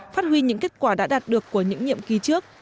phát huy những kết quả đã đạt được của những nhiệm kỳ trước